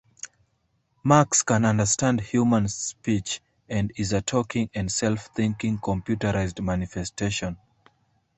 Max can understand human speech and is a talking and self-thinking computerized manifestation.